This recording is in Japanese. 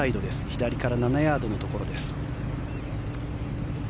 左から７ヤードのところです。